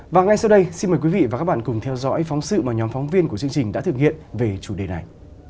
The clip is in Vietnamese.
và ngay sau đây xin mời quý vị và các bạn cùng theo dõi phóng sự mà nhóm phóng viên của chương trình đã thực hiện về chủ đề này